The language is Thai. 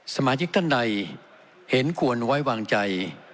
สมาชิกท่านใดเห็นควรไว้วางใจ